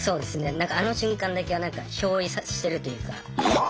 何かあの瞬間だけは何か憑依してるというか。